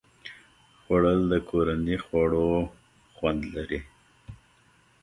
خوړل د کورني خواړو خوند لري